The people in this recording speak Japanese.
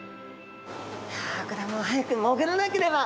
いやあこれはもう早く潜らなければ！